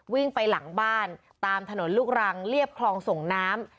วิ่งไปหลังบ้านตามถนนลูกรังเรียบคลองส่งน้ำ